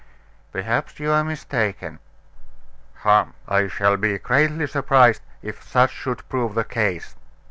"Perhaps you are mistaken." "Hum! I shall be greatly surprised if such should prove the case.